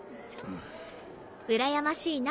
うらやましいな。